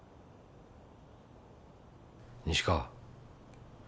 西川。